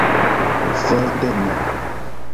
For de mi!